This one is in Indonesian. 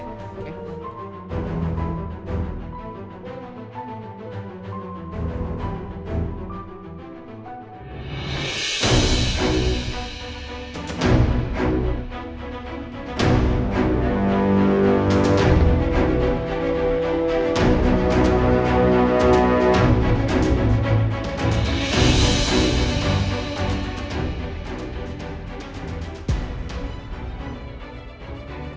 pak mau kemana pak